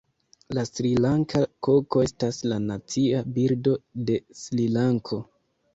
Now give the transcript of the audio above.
La Srilanka koko estas la Nacia birdo de Srilanko.